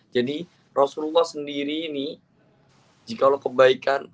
jadi rasulullah sendiri ini jika lo kebaikan